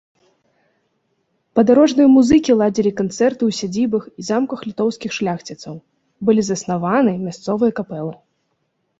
Падарожныя музыкі ладзілі канцэрты ў сядзібах і замках літоўскіх шляхціцаў, былі заснаваны мясцовыя капэлы.